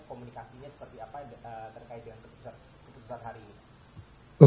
komunikasinya seperti apa terkait dengan keputusan hari ini